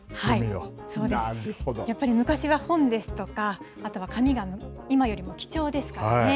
やっぱり昔は本ですとか、あとは紙が今よりも貴重ですからね。